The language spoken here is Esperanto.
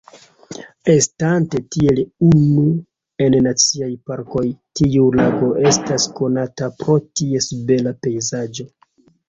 Estante tiel unu en naciaj parkoj, tiu lago estas konata pro ties bela pejzaĝo.